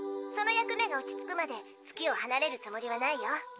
その役目が落ち着くまで月をはなれるつもりはないよ。